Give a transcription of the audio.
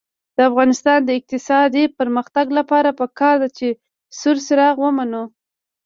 د افغانستان د اقتصادي پرمختګ لپاره پکار ده چې سور څراغ ومنو.